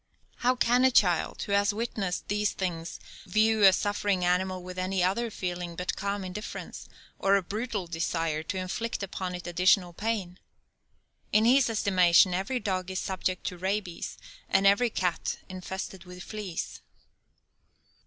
How can a child who has witnessed these things view a suffering animal with any other feeling but calm indifference, or a brutal desire to inflict upon it additional pain? In his estimation every dog is subject to rabies, and every cat infested with fleas.